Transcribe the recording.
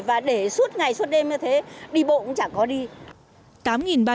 và để suốt ngày suốt đêm như thế đi bộ cũng chẳng có đi